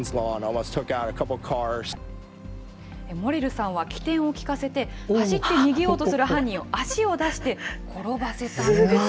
モレルさんは機転を利かせて、走って逃げようとする犯人を足を出して転ばせたんです。